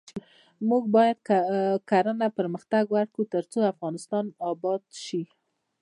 موږ باید کرنه پرمختګ ورکړو ، ترڅو افغانستان اباد شي.